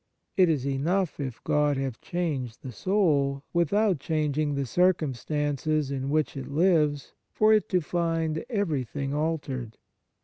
It is enough if God have changed the soul, without changing the circumstances in which it lives, for it to find every thing altered.